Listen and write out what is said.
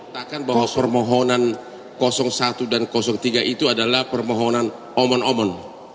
mengatakan bahwa permohonan satu dan tiga itu adalah permohonan omon omen